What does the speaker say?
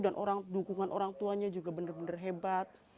dan dukungan orang tuanya juga benar benar hebat